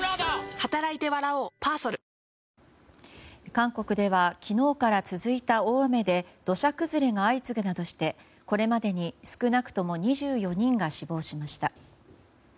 韓国では昨日から続いた大雨で土砂崩れが相次ぐなどしてこれまでに少なくとも２４人が死亡しました。